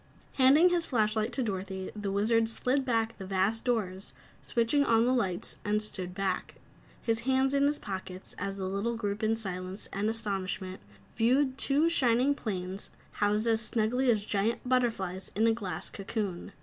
Handing his flashlight to Dorothy, the Wizard slid back the vast doors, switched on the lights and stood back, his hands in his pockets, as the little group in silence and astonishment viewed the two shining planes housed as snugly as giant butterflys in a glass cocoon.